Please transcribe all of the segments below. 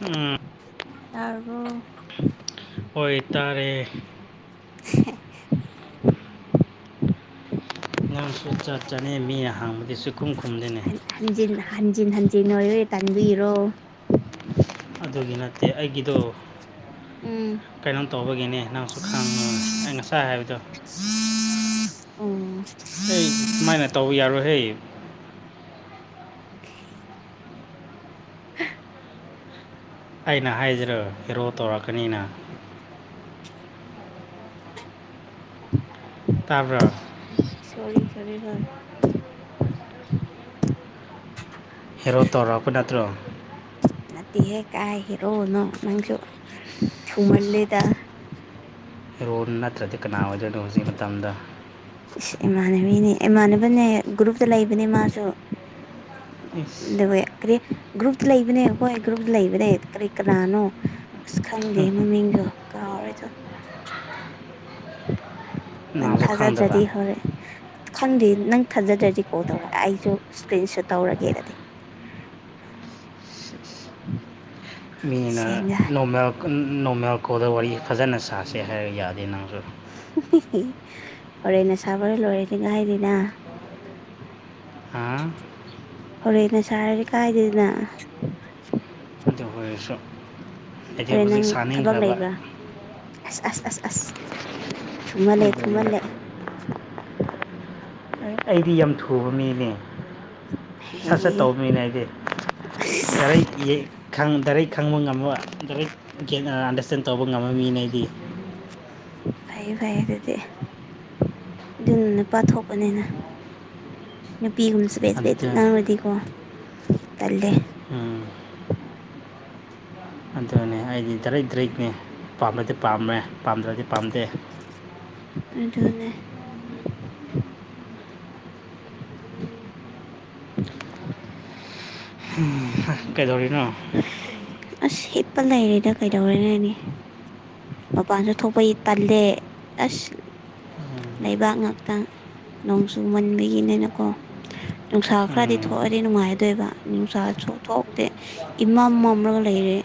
ꯎꯝ ꯇꯥꯔꯕꯣ ꯍꯦ ꯅꯪ ꯁꯨꯡꯆꯠ ꯆꯠ ꯑꯩ ꯃꯤ ꯍꯡꯕꯗꯤ ꯁꯨꯨ ꯈꯨꯝ ꯈꯨꯝꯗꯦꯅꯦ ꯍꯟꯖꯤꯟ ꯍꯟꯖꯤꯟ ꯍꯟꯖꯤꯟ ꯑꯣꯏꯕꯒꯤ ꯇꯟꯕꯤꯔꯣ ꯑꯗꯨꯒꯤ ꯅꯠꯇꯦ ꯑꯩꯒꯤꯗꯣ ꯎꯝ ꯀꯩꯅꯣꯝ ꯇꯧꯕꯒꯤꯅꯦ ꯅꯪꯁꯨ ꯈꯪ ꯑꯩ ꯉꯁꯥꯏ ꯍꯥꯏꯕꯗꯣ ꯑꯣ ꯑꯩ ꯁꯨꯃꯥꯏꯅ ꯇꯧꯕ ꯌꯥꯔꯣꯏꯍꯦ ꯑꯩꯅ ꯍꯥꯏꯗ꯭ꯔꯣ ꯍꯦꯔꯣ ꯊꯣꯔꯛꯀꯅꯤꯅ ꯇꯥꯕ꯭ꯔꯣ ꯁꯣꯔꯤ ꯁꯣꯔꯤ ꯍꯣꯏ ꯍꯦꯔꯣ ꯇꯧꯔꯛꯄ ꯅꯠꯇ꯭ꯔꯣ ꯅꯠꯇꯦꯍꯦ ꯀꯥꯏ ꯍꯔꯣꯅꯣ ꯅꯪꯁꯨ ꯏꯁ ꯊꯨꯃꯜꯂꯦꯗ꯫ ꯍꯦꯔꯣ ꯅꯠꯇ꯭ꯔꯗꯤ ꯀꯅꯥ ꯑꯣꯏꯗꯣꯏꯅꯣ ꯍꯧꯖꯤꯛ ꯃꯇꯝꯗ꯫ ꯏꯁ ꯏꯃꯥꯟꯅꯕꯤꯅꯦ ꯏꯃꯥꯟꯅꯕꯅꯦ ꯒ꯭ꯔꯨꯞꯇ ꯂꯩꯕꯅꯦ ꯃꯥꯁꯨ꯫ ꯏꯁ ꯑꯗꯨꯒꯤ ꯀ꯭ꯔꯤ ꯒ꯭ꯔꯨꯞ ꯂꯩꯕꯅꯦ ꯍꯣꯏ ꯒ꯭ꯔꯨꯞ ꯂꯩꯕꯅꯦ ꯀꯔꯤ ꯀꯅꯥꯅꯣ? ꯑꯁ ꯈꯪꯗꯦ ꯃꯃꯤꯡꯗꯣ ꯀꯥꯎꯔꯦꯗꯣ꯫ ꯅꯪ ꯅꯪꯁꯨ ꯈꯪꯗꯕ ꯊꯥꯖꯗ꯭ꯔꯗꯤ ꯍꯣꯔꯦ ꯈꯪꯗꯦ ꯅꯪ ꯊꯥꯖꯗ꯭ꯔꯗꯤ ꯀꯣꯜ ꯇꯧꯔ ꯑꯩꯁꯨ ꯏꯁꯀ꯭ꯔꯤꯟ ꯁꯨꯠ ꯇꯧꯔꯒꯦ ꯑꯗꯨꯗꯤ꯫ [inaudible] ꯃꯤꯅ ꯁꯦꯡꯒ ꯅꯣꯔꯃꯦꯜ ꯅꯣꯔꯃꯦꯜ ꯀꯣꯜꯗ ꯋꯥꯔꯤ ꯐꯖꯅ ꯁꯥꯁꯦ ꯍꯥꯏꯔ ꯌꯥꯗꯦ ꯅꯪꯁꯨ꯫ ꯍꯤ ꯍꯤ ꯍꯤ ꯍꯣꯔꯦꯟꯅ ꯁꯥꯕ ꯂꯣꯏꯅꯤꯉꯥꯢ ꯅꯤꯗꯥ [unintelligible] ꯍꯥ? ꯍꯣꯔꯦꯟꯅꯁꯥꯔꯗꯤ [unintelligible] ꯀꯥꯏꯗꯦꯗꯅ ꯑꯗꯨ ꯑꯣꯏꯔꯁꯨ ꯍꯥꯏꯗꯤ ꯍꯣꯔꯦꯟ ꯅꯪ ꯍꯧꯖꯤꯛ ꯊꯕꯛ ꯁꯥꯅꯤꯡꯈ꯭ꯔꯕ ꯂꯩꯕ꯭ꯔꯥ? ꯑꯁ ꯑꯁ ꯑꯁ ꯑꯁ ꯊꯨꯃꯜꯂꯦ ꯑꯗꯨꯒꯤ ꯊꯨꯃꯜꯂꯦ꯫ ꯅꯠꯇꯦ [inaudible] ꯑꯩ ꯑꯩꯗꯤ ꯌꯥꯝ ꯊꯨꯕ ꯃꯤꯅꯦ꯫ ꯁꯠ-ꯁꯠ ꯍꯦꯍꯦꯍꯦ ꯇꯧꯕ ꯃꯤꯅꯦ ꯑꯩꯗꯤ ꯌꯥꯔꯩ ꯑꯁ ꯌꯦ ꯈꯪ ꯗꯥꯏꯔꯦꯛ ꯈꯪꯕ ꯉꯝꯕ ꯗꯥꯏꯔꯦꯛ ꯀꯦ ꯑꯟꯗ꯭ꯔꯁꯇꯦꯟ ꯇꯧꯕ ꯉꯝꯕ ꯃꯤꯅꯦ ꯑꯩꯗꯤ꯫ ꯐꯌꯦ ꯐꯌꯦ ꯑꯗꯨꯗꯤ꯫ ꯑꯗꯨꯅ ꯅꯨꯄꯥ ꯊꯣꯛꯄꯅꯤꯅ ꯅꯨꯄꯤꯒꯨꯝꯕꯁꯨ ꯄꯦꯠ-ꯄꯦꯠ ꯑꯗꯨ ꯉꯥꯡꯂꯗꯤꯀꯣ ꯇꯜꯂꯦ꯫ ꯎꯝ꯫ ꯑꯗꯨꯅꯦ ꯑꯩꯗꯤ ꯗꯥꯔꯦꯛ ꯗꯥꯔꯦꯛꯅꯦ ꯄꯥꯝꯃꯗꯤ ꯄꯥꯝꯔꯦ ꯄꯥꯝꯗ꯭ꯔꯗꯤ ꯄꯥꯝꯗꯦ꯫ ꯑꯗꯨꯅꯦ꯫ ꯍꯨꯝ ꯍꯥ ꯀꯩꯗꯧꯔꯤꯅꯣ? ꯑꯁ ꯍꯤꯞꯄ ꯂꯩꯔꯤꯗ ꯀꯩꯗꯧꯔꯨꯔꯅꯤ꯫ ꯃꯄꯥꯟꯁꯨ ꯊꯣꯛꯄꯩ ꯇꯜꯂꯦ꯫ ꯑꯁ ꯂꯩꯕꯥꯛ ꯉꯥꯛꯇꯪ ꯅꯣꯡ ꯆꯨꯃꯟꯕꯒꯤꯅꯤꯅꯀꯣ ꯅꯨꯡꯁꯥ ꯈꯔꯗꯤ ꯎꯝ ꯊꯣꯛꯑꯗꯤ ꯅꯨꯡꯉꯥꯏꯗꯣꯏꯕ ꯅꯨꯡꯁꯥ ꯁꯨ ꯊꯣꯛꯇꯦ ꯏꯃꯝ ꯃꯝꯔꯒ ꯂꯩꯔꯦ꯫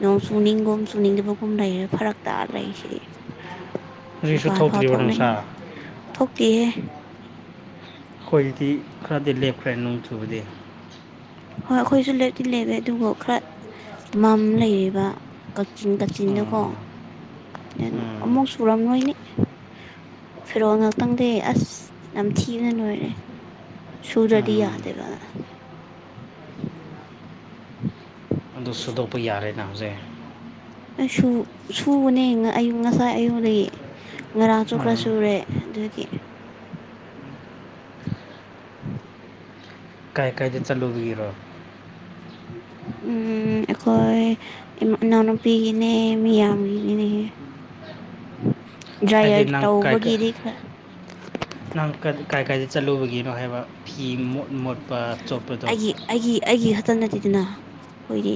ꯅꯣꯡ ꯆꯨꯅꯤꯡꯒꯨꯝ ꯆꯨꯅꯤꯡꯗꯕꯒꯨꯝ ꯂꯩꯔꯦ ꯐꯔꯛ ꯇꯥ ꯂꯩꯁꯤ꯫ ꯍꯧꯖꯤꯛꯁꯨ ꯃꯄꯥꯟ ꯐꯥꯎ ꯊꯣꯛꯇ꯭ꯔꯤꯕ ꯅꯨꯡꯁꯥ ꯊꯣꯛꯅꯤꯡꯗꯦ ꯊꯣꯛꯇꯦꯍꯦ꯫ ꯑꯈꯣꯏꯗꯤ ꯈꯔꯗꯤ ꯂꯦꯞꯈ꯭ꯔꯦ ꯅꯣꯡ ꯆꯨꯕꯗꯤ꯫ ꯍꯣꯏ ꯑꯈꯣꯏꯁꯨ ꯂꯦꯞꯇꯤ ꯂꯦꯞꯔꯦ ꯑꯗꯨꯕꯨ ꯈꯔ ꯃꯝ ꯂꯩꯔꯤꯕ ꯀꯛꯆꯤꯡ ꯀꯛꯆꯤꯡꯗꯀꯣ ꯎꯝ ꯒꯅꯣ ꯎꯝ ꯑꯃꯨꯛ ꯁꯨꯔꯝꯔꯣꯏꯅꯦ ꯐꯤꯔꯣꯜ ꯉꯥꯛꯇꯪꯗꯤ ꯑꯁ ꯅꯝꯊꯤꯕꯅ ꯂꯣꯏꯔꯦ꯫ ꯁꯨꯗ꯭ꯔꯗꯤ ꯎꯝ ꯌꯥꯗꯦꯕ꯫ ꯑꯗꯨ ꯁꯨꯗꯣꯛꯄ ꯌꯥꯔꯦꯅ ꯍꯧꯖꯤꯛ꯫ ꯑꯩꯁꯨ ꯁꯨꯕꯅꯦ ꯉ ꯑꯩ ꯉꯁꯥꯏ ꯑꯌꯨꯛꯇꯒꯤ ꯉꯔꯥꯡꯁꯨ ꯈꯔ ꯎꯝ ꯁꯨꯔꯦ꯫ ꯑꯗꯨꯒꯤ꯫ ꯀꯥꯏ-ꯀꯥꯏꯗ ꯆꯠꯂꯨꯒꯤꯔꯣ? ꯎꯝ ꯑꯩꯈꯣꯏ ꯏꯝ ꯏꯅꯥꯎꯅꯨꯄꯤꯒꯤꯅꯦ ꯃꯤꯌꯥꯝꯔꯤꯅꯦꯍꯦ ꯍꯥꯏꯗꯤ ꯗ꯭ꯔꯥꯏꯌꯔ ꯅꯪ ꯀꯥꯏ ꯀꯥꯏ ꯇꯧꯕꯒꯤꯗꯤ ꯈꯔ ꯅꯪ ꯀꯔꯤ ꯀꯥꯏ ꯀꯥꯏꯗ ꯆꯠꯂꯨꯕꯒꯤꯅꯣ ꯍꯥꯏꯕ ꯐꯤ ꯃꯣꯠ ꯃꯣꯠꯄ ꯆꯣꯠꯄꯗꯣ ꯒꯤ ꯑꯩꯒꯤ ꯍꯛ ꯆꯟꯅꯇꯦꯗꯅ ꯑꯈꯣꯏꯗꯤ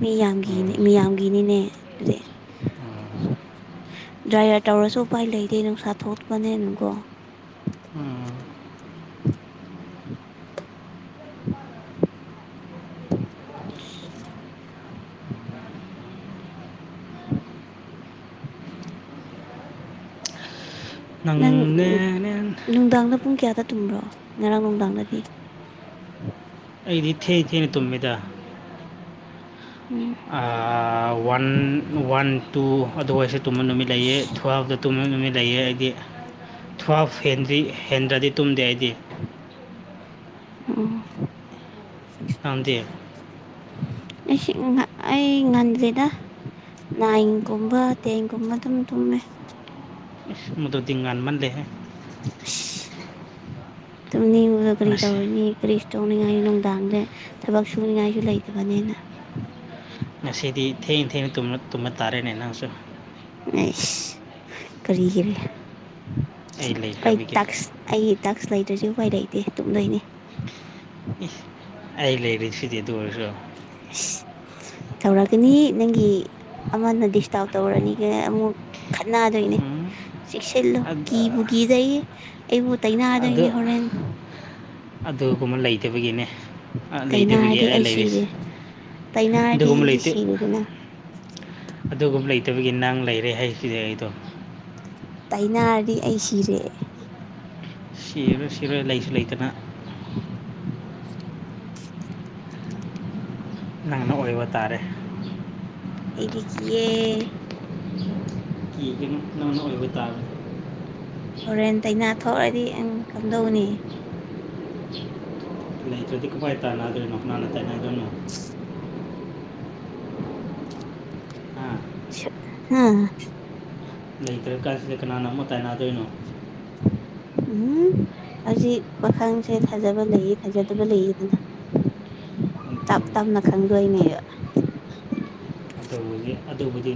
ꯃꯤ ꯌꯥꯝꯒꯤꯅꯦ ꯎꯝ ꯃꯤ ꯌꯥꯝꯒꯤꯅꯤꯅꯦ ꯑꯗꯨꯗꯤ ꯎꯝ ꯗ꯭ꯔꯥꯏꯌꯥꯔ ꯇꯧꯔꯁꯨ ꯎꯄꯥꯏ ꯂꯩꯇꯦ ꯅꯨꯡꯁꯥ ꯊꯣꯠꯄꯅꯤꯅꯀꯣ ꯎꯝ [inaudible] ꯅꯪ ꯎꯝ ꯅꯪꯅꯦ ꯅꯨꯡꯗꯥꯡꯗ ꯄꯨꯡ ꯀꯌꯥꯗ ꯇꯨꯝꯕ꯭ꯔꯣ ꯉꯔꯥꯡ ꯅꯨꯡꯗꯥꯡꯗꯗꯤ ꯑꯩꯗꯤ ꯊꯦꯡ ꯊꯦꯡꯅ ꯇꯨꯝꯃꯤꯗ ꯎꯝ ꯑꯥ ꯋꯥꯟ ꯋꯥꯟ ꯇꯨ ꯑꯗꯨꯋꯥꯏꯁꯨ ꯇꯨꯝꯕ ꯅꯨꯃꯤꯠ ꯂꯩꯌꯦ ꯑꯁ ꯊꯨꯍꯥꯞꯇ ꯇꯨꯝꯃ ꯅꯨꯃꯤꯠ ꯂꯩꯌꯦ ꯑꯩꯗꯤ ꯊꯨꯍꯥꯞ ꯍꯦꯟꯗ꯭ꯔꯤ ꯍꯦꯟꯗ꯭ꯔꯗꯤ ꯇꯨꯝꯗꯦ ꯑꯩꯗꯤ ꯎꯝ ꯅꯪꯗꯤ ꯑꯩꯁꯦ ꯎꯝ ꯑꯩ ꯉꯟꯗꯦꯗ ꯅꯥꯏꯟꯒꯨꯝꯕ ꯇꯦꯟꯒꯨꯝꯕ ꯑꯗꯨꯝ ꯇꯨꯝꯃꯦ ꯏꯁ ꯃꯗꯨꯗꯤ ꯉꯟꯃꯟꯂꯦꯍꯦ ꯑꯁ ꯇꯨꯝꯅꯤꯡꯕꯗꯣ ꯀꯔꯤ ꯉꯁꯤ ꯇꯧꯔꯨꯅꯤ ꯀꯔꯤ ꯆꯣꯅꯤꯡꯉꯥꯏ ꯅꯨꯡꯗꯥꯡꯗꯦ ꯊꯕꯛ ꯁꯨꯅꯤꯡꯉꯥꯏꯁꯨ ꯂꯩꯇꯕꯅꯦꯅ ꯉꯁꯤꯗꯤ ꯊꯦꯡ ꯊꯦꯡꯅ ꯇꯨꯝꯕ ꯇꯨꯝꯕ ꯇꯥꯔꯦꯅꯦ ꯅꯪꯁꯨ ꯑꯩꯁ ꯀꯔꯤꯒꯤꯔꯦ ꯑꯩ ꯇꯥꯛꯁ ꯑꯩꯒꯤ ꯇꯥꯛꯁ ꯂꯩꯇ꯭ꯔꯗꯤ ꯎꯄꯥꯏ ꯂꯩꯇꯦ ꯇꯨꯝꯗꯣꯏꯅꯦ ꯏ ꯑꯩ ꯂꯩꯔꯤꯁꯤꯗꯤ ꯑꯗꯨ ꯑꯣꯏꯔꯁꯨ ꯑꯁ ꯇꯧꯔꯛꯀꯅꯤ ꯅꯪꯒꯤ ꯑꯃꯅ ꯗꯤꯁꯇꯥꯞ ꯇꯧꯔꯅꯤꯒ ꯑꯃꯨꯛ ꯈꯠꯅꯗꯣꯏꯅꯦ ꯎꯝ ꯆꯦꯛꯁꯤꯜꯂꯣ ꯑꯗ ꯀꯤꯕꯨ ꯀꯤꯖꯩꯌꯦ ꯑꯩꯕꯨ ꯑꯗꯨ ꯇꯩꯅꯗꯣꯏꯅꯦ ꯍꯣꯔꯦꯟ ꯑꯗꯨꯒꯨꯝꯕ ꯂꯩꯇꯕꯒꯤꯅꯦ ꯑꯥ ꯂꯩꯇꯕꯒꯤ ꯇꯩꯅꯔꯗꯤ ꯑꯩ ꯂꯩꯔꯤꯁꯦ ꯁꯤꯔꯦ ꯇꯩꯅꯔꯗꯤ ꯑꯗꯨꯒꯨꯝꯕ ꯑꯩꯗꯤ ꯂꯩꯇꯦ ꯁꯤꯔꯦꯗꯅ ꯑꯗꯨꯒꯨꯝꯕ ꯂꯩꯇꯕꯒꯤ ꯅꯪ ꯂꯩꯔꯦ ꯍꯥꯏꯁꯤꯗꯤ ꯑꯩꯗꯣ ꯇꯥꯏꯅꯔꯗꯤ ꯑꯩ ꯁꯤꯔꯦ ꯁꯤꯔꯣꯏ ꯁꯤꯔꯣꯏ ꯂꯩꯁꯨ ꯂꯩꯇꯅ [inaudible] ꯅꯪꯅ ꯑꯣꯏꯕ ꯇꯥꯔꯦ ꯑꯩꯗꯤ ꯀꯤꯌꯦ ꯀꯤꯒꯅꯨ ꯅꯪꯅ ꯑꯣꯏꯕ ꯇꯥꯔꯦ ꯍꯣꯔꯦꯟ ꯇꯩꯅꯥ ꯊꯣꯛꯑꯗꯤ ꯎꯝ ꯀꯝꯗꯧꯅꯤ ꯂꯩꯇ꯭ꯔꯗꯤ ꯀꯃꯥꯏ ꯇꯥꯅꯗꯣꯏꯅꯣ ꯀꯅꯥ ꯇꯥꯏꯅꯥꯗꯣꯏꯅꯣ [inaudible] ꯍꯥ ꯍꯥ ꯂꯩꯇ꯭ꯔꯀꯥꯟꯁꯤꯗ ꯀꯅꯥꯅ ꯑꯃꯨꯛ ꯇꯥꯏꯅꯗꯣꯏꯅꯣ ꯑꯝ ꯍꯧꯖꯤꯛ ꯄꯥꯈꯪꯁꯦ ꯐꯖꯕ ꯂꯩꯌꯦ ꯐꯖꯗꯕ ꯂꯩꯌꯦꯗꯅ ꯇꯞ ꯑꯗꯨꯅꯤ ꯇꯞꯅ ꯈꯪꯗꯣꯏꯅꯦꯕ ꯇꯧꯕꯒꯤ ꯑꯗꯨꯕꯨꯗꯤ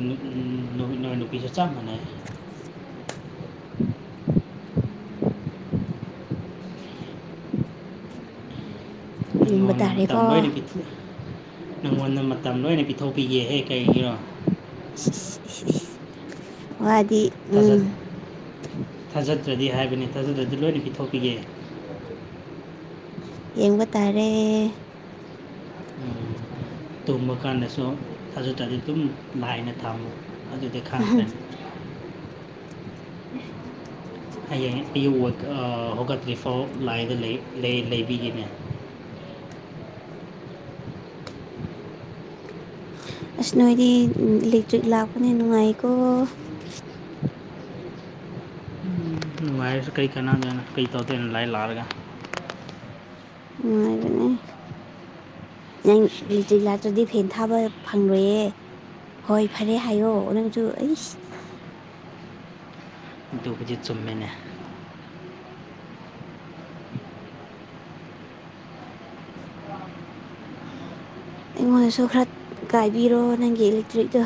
ꯅꯣ ꯅꯣꯏ ꯅꯨꯄꯤꯁꯨ ꯆꯥꯞ ꯃꯥꯟꯅꯩ [inaudible] [inaudible] ꯌꯦꯡꯕ ꯅꯪꯉꯣꯟꯇ ꯃꯇꯝ ꯇꯥꯔꯦꯀꯣ ꯂꯣꯏꯅ ꯄꯤ ꯅꯪꯉꯣꯟꯗ ꯃꯇꯝ ꯂꯣꯏꯅ ꯄꯤꯊꯣꯛꯄꯤꯒꯦꯍꯦ ꯀꯩꯒꯤꯔꯣ ꯏꯁ ꯏꯁ ꯏꯁ ꯏꯁ ꯋꯥꯗꯤ ꯊꯥꯖꯗꯦ ꯎꯝ ꯊꯥꯖꯗ꯭ꯔꯗꯤ ꯍꯥꯏꯕꯅꯦ ꯊꯥꯖꯗ꯭ꯔꯗꯤ ꯂꯣꯏꯅ ꯄꯤꯊꯣꯛꯄꯤꯒꯦ ꯌꯦꯡꯕ ꯇꯥꯔꯦ ꯎꯝ, ꯇꯨꯝꯕ ꯀꯥꯟꯗꯁꯨ ꯊꯥꯖꯗ꯭ꯔꯗꯤ ꯑꯗꯨꯝ ꯂꯥꯏꯅ ꯊꯥꯡ ꯑꯗꯨꯗꯤ ꯈꯥꯡꯈ꯭ꯔꯅꯤ [inaudible] ꯍꯌꯦꯡ ꯑꯌꯨꯛ ꯋꯦꯛ ꯑꯥ ꯍꯧꯒꯠꯇ꯭ꯔꯤꯐꯥꯎ ꯂꯥꯏꯗ ꯂꯩ ꯂꯩꯕꯤꯒꯦꯅꯤ ꯑꯁ ꯅꯣꯏꯗꯤ ꯏꯂꯦꯛꯇ꯭ꯔꯤꯛ ꯂꯥꯛꯄꯅꯤꯅ ꯅꯨꯉꯥꯏꯀꯣ [inaudible] ꯅꯨꯉꯥꯏꯔꯁꯨ ꯀꯩ ꯀꯅꯥꯗꯣꯏꯅꯣ ꯀꯩ ꯇꯧꯗꯣꯏꯅ ꯂꯥꯏ ꯂꯥꯛꯔꯒ ꯅꯨꯡꯉꯥꯢꯕꯅꯦ ꯅꯪ ꯏꯂꯦꯛꯇ꯭ꯔꯤꯛ ꯂꯥꯛꯇ꯭ꯔꯗꯤ ꯐꯦꯟ ꯊꯥꯕ ꯐꯪꯂꯣꯏꯌꯦ ꯍꯣꯏ ꯐꯔꯦ ꯍꯥꯏꯌꯣ ꯅꯪꯖꯨ ꯑꯩꯁ ꯑꯗꯨꯕꯨꯗꯤ ꯆꯨꯝꯃꯦꯅꯦ ꯑꯩꯉꯣꯟꯗꯁꯨ ꯈꯔ ꯀꯥꯏꯕꯤꯔꯣ ꯅꯪꯒꯤ ꯏꯂꯦꯛꯇ꯭ꯔꯤꯛꯇꯣ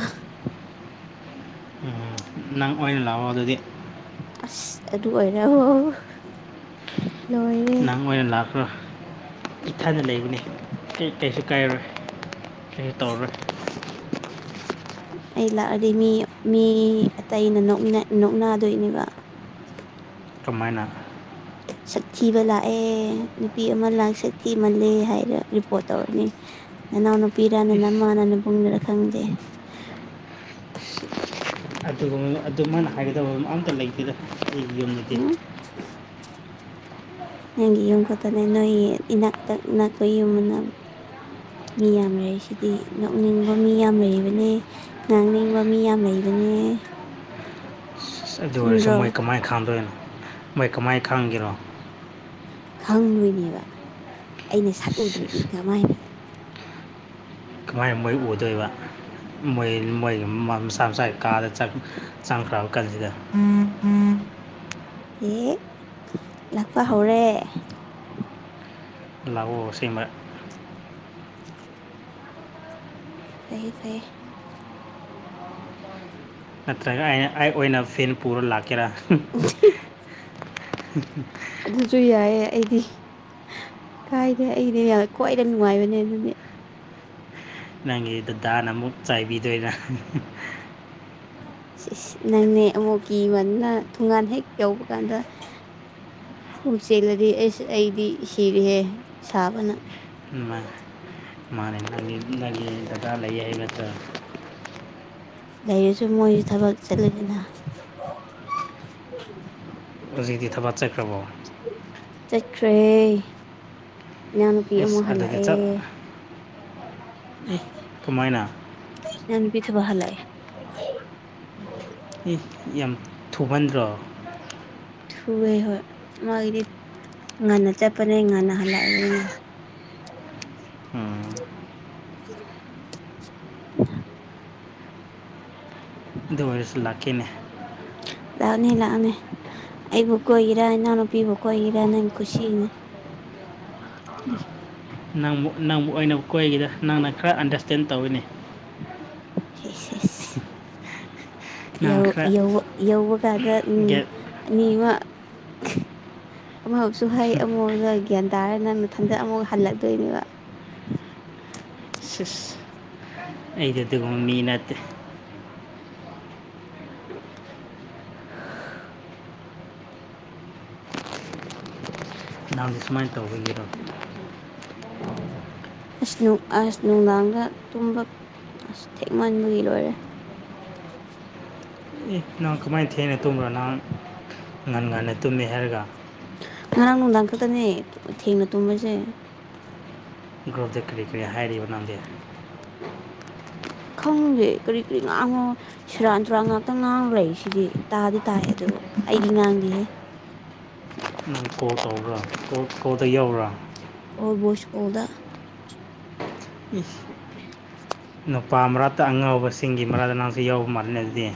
ꯎꯝ, ꯅꯪ ꯑꯣꯏꯅ ꯂꯥꯛꯑꯣ ꯑꯗꯨꯗꯤ ꯑꯁ ꯑꯗꯨ ꯑꯣꯏꯔꯍꯣ ꯅꯪ ꯑꯣꯏꯅ ꯂꯥꯛꯈ꯭ꯔꯣ ꯏꯊꯟꯗ ꯂꯩꯕꯅꯤ ꯑꯩ ꯀꯩꯁꯨ ꯀꯥꯏꯔꯣꯏ ꯀꯩꯁꯨ ꯇꯧꯔꯣꯏ ꯑꯩ ꯂꯥꯛꯑꯗꯤ ꯃꯤ ꯃꯤ ꯑꯇꯩꯅ ꯅꯣꯛꯅ ꯅꯣꯛꯅꯗꯣꯏꯅꯦꯕ ꯀꯃꯥꯏꯅ ꯁꯛꯊꯤꯕ ꯂꯥꯛꯑꯦ ꯅꯨꯄꯤ ꯑꯃ ꯂꯥꯛ ꯁꯛ ꯊꯤꯃꯜꯂꯦ ꯍꯥꯏꯔ ꯔꯤꯄꯣꯔꯠ ꯇꯧꯔꯅꯤ ꯅꯅꯥꯎ ꯅꯨꯄꯤꯔꯅ ꯅꯃꯥꯅꯔ ꯅꯕꯨꯡꯅꯔ ꯈꯪꯗꯦ ꯑꯗꯨꯒꯨꯝꯅ ꯑꯗꯨꯃꯥꯏꯅ ꯍꯥꯏꯒꯗꯕ ꯑꯝꯇ ꯂꯩꯇꯦꯗ ꯑꯈꯣꯏ ꯌꯨꯝꯗꯗꯤ ꯎꯝ ꯅꯪꯒꯤ ꯌꯨꯝ ꯈꯛꯇꯅꯦ ꯅꯣꯏꯒꯤ ꯏꯅꯥꯛꯇꯛ ꯅꯛꯄ ꯌꯨꯝ ꯃꯥꯟꯅ ꯃꯤ ꯌꯥꯝ ꯂꯩꯁꯤꯗꯤ ꯅꯣꯛꯅꯤꯡꯕ ꯃꯤ ꯌꯥꯝ ꯂꯩꯕꯅꯦ ꯉꯥꯡꯅꯤꯡꯕ ꯃꯤ ꯌꯥꯝ ꯂꯩꯕꯅꯦ ꯑꯁ ꯑꯗꯨ ꯑꯣꯏꯔꯁꯨ ꯆꯨꯝꯗ꯭ꯔꯣ ꯃꯣꯏ ꯀꯃꯥꯏ ꯈꯪꯗꯣꯏꯅꯣ ꯃꯣꯏ ꯀꯃꯥꯏ ꯈꯥꯡꯒꯦꯔꯣ ꯈꯪꯗꯣꯏꯅꯦꯕ ꯑꯩꯅ ꯁꯛ ꯎꯗ꯭ꯔꯗꯤ ꯁꯤꯁ ꯀꯃꯥꯏꯅꯒ ꯀꯃꯥꯏꯅ ꯃꯣꯏ ꯎꯗꯣꯏꯕ ꯃꯣꯏ ꯃꯣꯏꯒꯤ ꯃꯤ ꯃꯁꯥ ꯃꯁꯥꯒꯤ ꯀꯥꯗ ꯆꯪ ꯆꯥꯡꯈ꯭ꯔꯕ ꯀꯥꯟꯁꯤꯗ ꯑꯦ ꯂꯥꯛꯄ ꯍꯧꯔꯦ ꯂꯥꯛꯑꯣ ꯑꯁꯦꯡꯕ ꯐꯩꯌꯦ ꯐꯩꯌꯦ ꯅꯠꯇ꯭ꯔꯒ ꯑꯩꯅ ꯑꯩ ꯑꯣꯏꯅ ꯐꯦꯟ ꯄꯨꯔ ꯂꯥꯛꯀꯦꯔꯥ ꯑꯗꯨꯁꯨ ꯌꯥꯏꯌꯦ ꯑꯩꯗꯤ ꯀꯥꯏꯗꯦ ꯑꯩꯗꯤ ꯌꯥ ꯈ꯭ꯋꯥꯏꯗꯩ ꯅꯨꯡꯉꯥꯏꯕꯅꯦ ꯑꯗꯨꯗꯤ ꯅꯪꯒꯤ ꯗꯗꯥꯅ ꯑꯃꯨꯛ ꯆꯩꯕꯤꯗꯣꯏꯔꯥ ꯏꯁ ꯏꯁ ꯅꯪꯅꯦ ꯑꯃꯨꯛ ꯀꯤꯃꯟꯗꯅ ꯊꯣꯡꯒꯥꯟ ꯍꯦꯛ ꯌꯧꯕ ꯀꯥꯟꯗ ꯎ ꯆꯦꯜꯂꯗꯤ ꯑꯁ ꯑꯩꯗꯤ ꯁꯤꯔꯦꯍꯦ ꯁꯥꯕꯅ ꯑꯝ ꯃꯥ ꯃꯥꯅꯦ ꯅꯪꯒꯤ ꯅꯪꯒꯤ ꯗꯗꯥ ꯂꯩꯌꯦ ꯍꯥꯏꯕ ꯅꯠꯇ꯭ꯔꯣ ꯂꯩꯔꯁꯨ ꯃꯣꯏꯁꯨ ꯊꯕꯛ ꯆꯠꯂꯦꯗꯅ ꯍꯧꯖꯤꯛꯇꯤ ꯊꯕꯛ ꯆꯥꯠꯈ꯭ꯔꯕꯣ? ꯆꯥꯠꯈ꯭ꯔꯦ ꯏꯅꯥꯎꯅꯨꯄꯤ ꯏꯁ ꯑꯃꯨꯛ ꯑꯗꯨꯗꯤ ꯍꯜꯂꯛꯑꯦ꯫ ꯆꯠ ꯑꯦ ꯀꯃꯥꯏꯅ꯫ ꯏꯅꯥꯎꯅꯨꯄꯤ ꯊꯕꯛ ꯍꯥꯜꯂꯛꯑꯦ꯫ ꯑꯦ ꯌꯥꯝ ꯊꯨꯃꯟꯗ꯭ꯔꯣ꯫ ꯊꯨꯋꯦ ꯍꯣꯏ ꯃꯥꯒꯤꯗꯤ ꯉꯥꯟꯅ ꯆꯠꯄꯅꯦ ꯉꯥꯟꯅ ꯍꯥꯜꯂꯛꯑꯦ꯫ ꯎꯝ [unintelligible] ꯑꯗꯨ ꯑꯣꯏꯔꯁꯨ ꯂꯥꯛꯀꯦꯅꯦ꯫ ꯂꯥꯛꯑꯣꯅꯦ ꯂꯥꯛꯑꯣꯅꯦ ꯑꯩꯕꯨ ꯀꯣꯏꯒꯦꯔꯥ ꯏꯅꯥꯎꯅꯨꯄꯤꯕꯨ ꯀꯣꯏꯒꯦꯔꯥ ꯅꯪ ꯀꯨꯁꯤꯅꯦ꯫ ꯅꯪꯕꯨ ꯅꯪꯕꯨ ꯑꯣꯏꯅ ꯀꯣꯏꯒꯦꯗ ꯅꯪꯅ ꯈꯔ ꯑꯟꯗꯔꯁꯇꯦꯟ ꯇꯧꯋꯤꯅꯦ꯫ ꯍꯦꯁ ꯍꯦꯁ ꯌꯧ ꯅꯪꯅ ꯈꯔ ꯌꯧ ꯌꯧꯕ ꯀꯥꯟꯗ ꯎꯝ ꯒ꯭ꯌꯥꯟ ꯑꯅꯤꯃꯛ ꯑꯃꯛꯁꯨ ꯍꯥꯏ ꯑꯃꯣ ꯒ꯭ꯌꯥꯟ ꯇꯥꯔꯦꯅ ꯅꯊꯟꯗ ꯑꯃꯨꯛ ꯍꯥꯜꯂꯛꯇꯣꯏꯅꯦꯕ꯫ ꯁꯤꯁ ꯑꯩꯗꯤ ꯑꯗꯨꯒꯨꯝꯕ ꯃꯤ ꯅꯥꯠꯇꯦ꯫ [unintelligible] ꯅꯪꯁꯨ ꯁꯨꯃꯥꯏꯅ ꯇꯧꯕꯒꯤꯔꯣ? ꯑꯁ ꯅꯨꯡ ꯑꯁ ꯅꯨꯡꯗꯥꯡꯗ ꯇꯨꯝꯕ ꯑꯁ ꯊꯦꯛꯃꯟꯕꯒꯤ ꯂꯣꯏꯔꯦ꯫ ꯑꯦ ꯅꯪ ꯀꯃꯥꯏꯅ ꯊꯦꯡꯅ ꯇꯨꯝꯕ꯭ꯔꯣ ꯅꯍꯟ ꯉꯟ ꯉꯟꯅ ꯇꯨꯝꯃꯦ ꯍꯥꯏꯔꯒ꯫ ꯉꯔꯥꯡ ꯅꯨꯡꯗꯥꯡ ꯈꯛꯇꯅꯦ ꯊꯦꯡꯅ ꯇꯨꯝꯕꯁꯦ꯫ ꯒ꯭ꯔꯨꯞꯇ ꯀꯔꯤ ꯀꯔꯤ ꯍꯥꯏꯔꯤꯕ ꯅꯪꯗꯤ꯫ ꯈꯪꯗꯦ ꯀꯔꯤ ꯀꯔꯤ ꯉꯥꯡꯉꯣ ꯁꯨꯔꯥꯟꯊꯨꯔꯥꯟ ꯉꯥꯛꯇ ꯉꯥꯡꯔꯩ ꯁꯤꯗꯤ ꯇꯥꯗꯤ ꯇꯥꯏ ꯑꯗꯣ ꯑꯩꯗꯤ ꯉꯥꯡꯗꯦꯍꯦ꯫ ꯎꯝ ꯀꯣꯜ ꯇꯧꯕ꯭ꯔꯥ ꯀꯣꯜ ꯀꯣꯜꯗ ꯌꯥꯎꯕ꯭ꯔꯥ? ꯑꯣꯜꯕꯨ ꯁꯀꯨ꯭ꯜꯗ꯫ ꯎꯝ [unintelligible] ꯅꯨꯄꯥ ꯃꯔꯠꯇ ꯑꯉꯥꯎꯕꯁꯤꯡꯒꯤ ꯃꯔꯥꯛꯇ ꯅꯪꯁꯨ ꯌꯥꯎꯕ ꯃꯥꯜꯂꯦꯅꯦ ꯑꯗꯨꯗꯤ꯫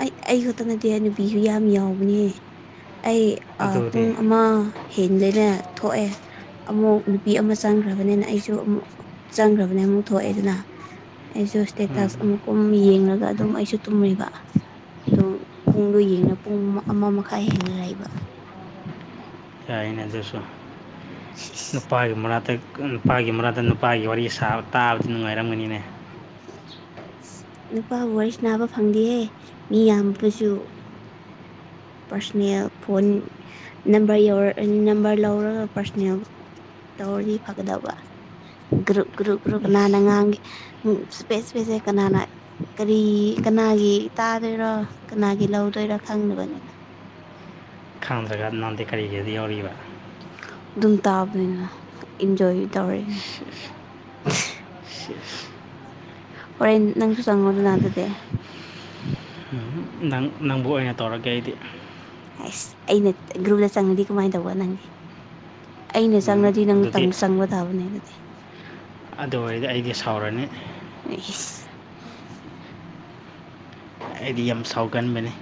ꯑꯩ ꯑꯩ ꯈꯛꯇ ꯅꯥꯠꯇꯤꯌꯦ ꯅꯨꯄꯤꯁꯨ ꯌꯥꯝ ꯌꯥꯎꯕꯅꯦ ꯑꯩ ꯑꯗꯨꯗꯤ ꯑꯥ ꯑꯗꯨꯗꯤ ꯄꯨꯡ ꯑꯃ ꯍꯦꯟꯂꯦꯅ ꯊꯣꯛꯑꯦ꯫ ꯑꯃꯨꯛ ꯅꯨꯄꯤ ꯑꯃ ꯆꯪꯈ꯭ꯔꯕꯅꯦꯅ ꯑꯩꯁꯨ ꯑꯃꯨꯛ ꯆꯪꯈ꯭ꯔꯕꯅꯦ ꯑꯃꯨꯛ ꯊꯣꯛꯑꯦꯗꯅ꯫ ꯑꯩꯁꯨ ꯎꯝ ꯏꯁꯇꯦꯇꯁ ꯑꯃꯨꯛꯀꯨꯝ ꯌꯦꯡꯔꯒ ꯑꯗꯨꯝ ꯑꯩꯁꯨ ꯇꯨꯝꯃꯦꯕ ꯑꯗꯨꯝ ꯄꯨꯡꯗꯣ ꯌꯦꯡꯅ ꯄꯨꯡ ꯑꯃ ꯃꯈꯥꯏ ꯍꯦꯜꯂ ꯂꯩꯕ ꯌꯥꯏꯅ ꯑꯗꯨꯁꯨ ꯅꯨꯄꯥꯒꯤ ꯃꯅꯥꯛꯇ ꯀꯟ ꯅꯨꯄꯥꯒꯤ ꯃꯔꯛꯗ ꯅꯨꯄꯥꯒꯤ ꯋꯥꯔꯤ ꯁꯥꯕ ꯇꯥꯕꯗꯤ ꯅꯨꯡꯉꯥꯏꯔꯝꯒꯅꯤꯅꯦ꯫ ꯏꯁ ꯅꯨꯄꯥꯒ ꯋꯥꯔꯤ ꯁꯥꯟꯅꯥꯕ ꯐꯪꯗꯦꯍꯦ ꯃꯤ ꯌꯥꯝꯕꯁꯨ ꯄꯥꯔꯁꯣꯅꯦꯜ ꯐꯣꯟ ꯅꯝꯕꯔ ꯌꯧꯔ ꯅꯝꯕꯔ ꯂꯧꯔꯒ ꯄꯥꯔꯁꯣꯅꯦꯜ ꯇꯧꯔꯗꯤ ꯐꯒꯗꯕ ꯒ꯭ꯔꯨꯞ ꯒ꯭ꯔꯨꯞ ꯒ꯭ꯔꯨꯞ ꯀꯅꯥꯅ ꯏꯁ ꯉꯥꯡꯒꯦ ꯎꯝ ꯏꯁꯄꯦꯁ ꯏꯁꯄꯦꯁꯁꯦ ꯀꯅꯥꯅ ꯀꯔꯤ ꯀꯅꯥꯒꯤ ꯇꯥꯗꯣꯏꯔꯣ ꯀꯅꯥꯒꯤ ꯂꯧꯗꯣꯏꯔꯣ ꯈꯪꯗꯕꯅꯤꯅ꯫ ꯈꯪꯗ꯭ꯔꯥꯒ ꯅꯪꯗꯤ ꯀꯔꯤꯒꯤ ꯌꯥꯎꯔꯤꯕ꯫ ꯑꯗꯨꯝ ꯇꯥꯕꯅꯤꯅ ꯏꯟꯖꯣꯏ ꯇꯧꯔꯤꯅꯦ꯫ ꯁꯤꯁ ꯍꯣꯔꯦꯟ ꯅꯪꯁꯨ ꯆꯪꯉꯣꯗꯅ ꯑꯗꯨꯗꯤ꯫ ꯅꯪ ꯅꯪꯕꯨ ꯑꯣꯏꯅ ꯇꯧꯔꯒꯦ ꯑꯩꯗꯤ ꯍꯩꯁ ꯑꯩꯅ ꯒ꯭ꯔꯨꯞꯗ ꯆꯪꯉꯗꯤ ꯀꯃꯥꯏ ꯇꯧꯕ ꯅꯪꯗꯤ ꯑꯩꯅ ꯆꯪꯔ ꯎꯝ ꯗꯤ ꯅꯪ ꯇꯪ ꯑꯗꯨꯗꯤ ꯆꯪꯕ ꯇꯥꯕꯅꯦ ꯑꯗꯨꯗꯤ ꯑꯗꯨ ꯑꯣꯏꯔꯗꯤ ꯑꯩꯗꯤ ꯁꯥꯎꯔꯅꯤ ꯑꯩꯁ ꯑꯩꯗꯤ ꯌꯥꯝ ꯁꯥꯎꯒꯟꯕꯅꯦ